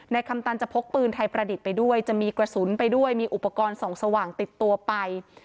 คำตันจะพกปืนไทยประดิษฐ์ไปด้วยจะมีกระสุนไปด้วยมีอุปกรณ์ส่องสว่างติดตัวไป